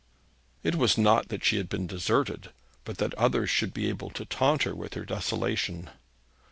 It was not that she had been deserted, but that others should be able to taunt her with her desolation.